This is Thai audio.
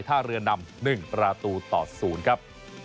ท่าเรือนำ๑ประตูต่อ๐ครับ